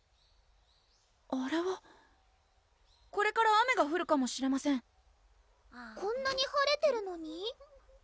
あれはこれから雨がふるかもしれませんこんなに晴れてるのに？